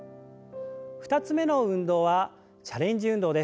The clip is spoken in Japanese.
２つ目の運動はチャレンジ運動です。